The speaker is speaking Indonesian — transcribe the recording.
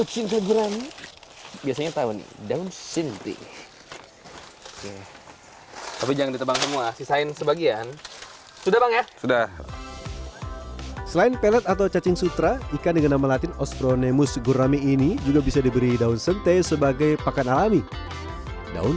ciri ciri indukan dengan kualitas bagus adalah memiliki sisik yang rapi warna ikan